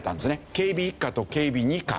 警備１課と警備２課。